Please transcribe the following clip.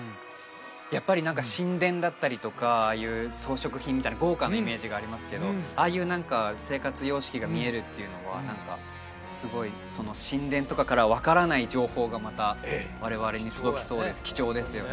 やっぱり何か神殿だったりとかああいう装飾品みたいな豪華なイメージがありますけどああいう何か生活様式が見えるっていうのは何かすごいその神殿とかから分からない情報がまた我々に届きそうで貴重ですよね